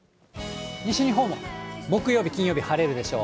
西日本も木曜日、金曜日、晴れるでしょう。